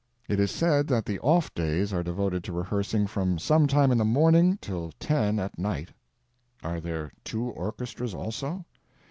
It is said that the off days are devoted to rehearsing from some time in the morning till ten at night. Are there two orchestras also?